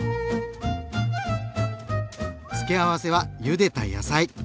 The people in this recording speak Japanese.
付け合わせはゆでた野菜。